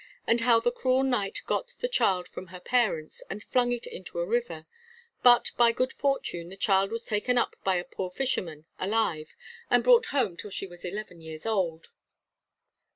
And how the cruel Knight got the child from her parents, and flung it into a river; but by good fortune, the child was taken up by a poor fisherman alive, and brought home till she was eleven years old.